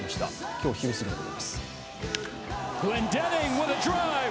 今日昼すぎのことです。